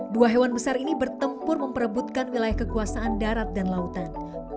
dua hewan besar ini bertempur memperebutkan wilayah kekuasaan darat dan lautan